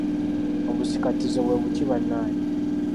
Obusikattizo bwe buki bannaye?